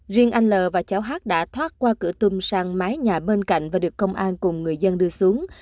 riêng anh l và cháu hát đã thoát qua cửa tung sang mái nhà bên cạnh và được công an cùng người dân đưa xuống